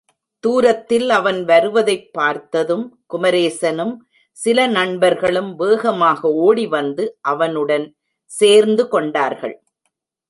தூரத்தில் அவன் வருவதைப் பார்த்ததும், குமரேசனும், சில நண்பர்களும் வேகமாக ஓடி வந்து அவனுடன் சேர்ந்து கொண்டார்கள்.